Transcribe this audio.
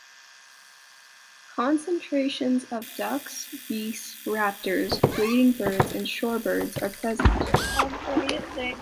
Concentrations of ducks, geese, raptors, wading birds and shorebirds are present.